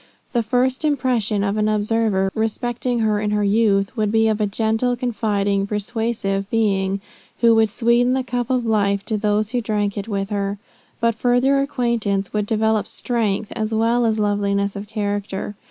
The first impression of an observer respecting her in her youth, would be of a gentle, confiding, persuasive being, who would sweeten the cup of life to those who drank it with her. But further acquaintance would develop strength as well as loveliness of character.